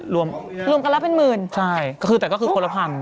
รวมกันแล้วเป็น๑๐๐๐บาทใช่แต่ก็คือคนละ๑๐๐๐บาท